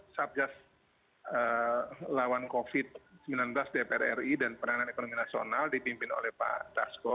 satgas lawan covid sembilan belas dpr ri dan penanganan ekonomi nasional dipimpin oleh pak dasko